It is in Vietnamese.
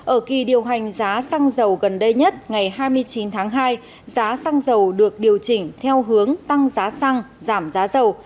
ở kỳ điều hành giá xăng dầu gần đây nhất ngày hai mươi chín tháng hai giá xăng dầu được điều chỉnh theo hướng tăng giá xăng giảm giá dầu